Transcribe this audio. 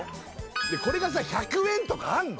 これが１００円とかあんの？